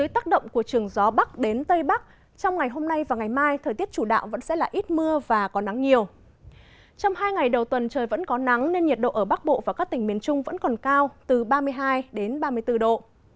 trong hai ngày đầu tuần trời vẫn có nắng nên nhiệt độ ở bắc bộ và các tỉnh miền trung vẫn còn cao từ ba mươi hai đến ba mươi bốn độ